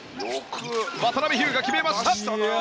渡邉飛勇が決めました！